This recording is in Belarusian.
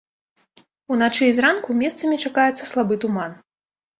Уначы і зранку месцамі чакаецца слабы туман.